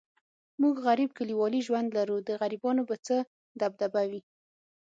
موږ غریب کلیوالي ژوند لرو، د غریبانو به څه دبدبه وي.